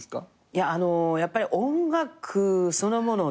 いやあのやっぱり音楽そのものの。